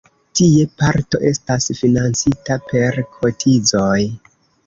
Tie parto estas financita per kotizoj.